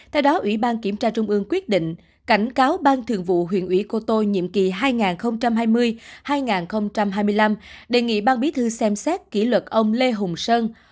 theo đó ủy ban kiểm tra trung ương quyết định cảnh cáo ban thường vụ huyện ủy cô tô nhiệm kỳ hai nghìn hai mươi hai nghìn hai mươi năm đề nghị ban bí thư xem xét kỷ luật ông lê hùng sơn